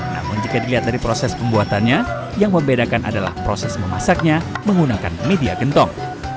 namun jika dilihat dari proses pembuatannya yang membedakan adalah proses memasaknya menggunakan media gentong